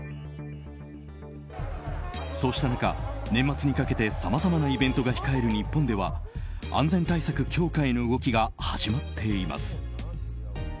そうした中、年末にかけてさまざまなイベントが控える日本では安全対策強化への動きが始まっています。